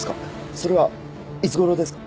それはいつ頃ですか？